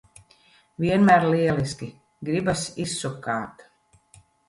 Vienmēr lieliski! Gribas izsukāt.